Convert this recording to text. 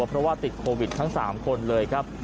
เพราะว่าติดโควิดทั้ง๓คนเลยครับ